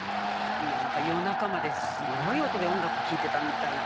なんか夜中まですごい音で音楽聴いてたみたいで。